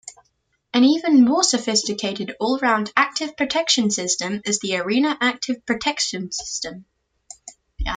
An even more sophisticated all-round active protection system is the Arena Active Protection System.